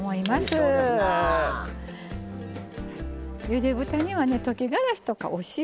ゆで豚にはね溶きがらしとかお塩